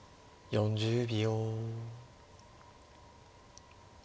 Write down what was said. ４０秒。